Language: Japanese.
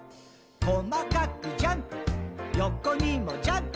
「こまかくジャンプ」「横にもジャンプ」